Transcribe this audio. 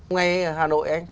ngay ở hà nội